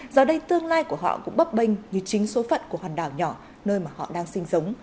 giờ đây tương lai của họ cũng bấp bênh như chính số phận của hòn đảo nhỏ nơi mà họ đang sinh sống